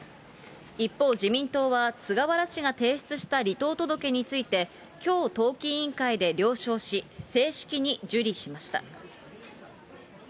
一方、自民党は、菅原氏が提出した離党届について、きょう党紀委員会で了承し、正式に受理しました。